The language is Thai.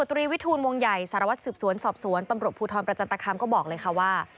ตรีวิทูลวงใหญ่สารวัตรสืบสวนสอบสวนตำรวจภูทรประจันตคามก็บอกเลยค่ะว่า